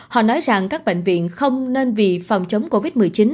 họ nói rằng các bệnh viện không nên vì phòng chống covid một mươi chín